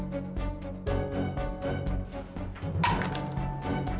tante sadar tante